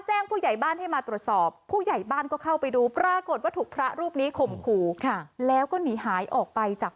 จังหลีนงานปะอาจารย์ดื่มสินี่พูดแจ้งไปแล้วอ้าวเดี๋ยวเดี๋ยวเดี๋ยวเอา